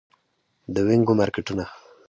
د وینګو مارکیټونه